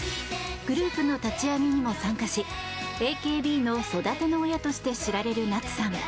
グループの立ち上げにも参加しＡＫＢの育ての親として知られる夏さん。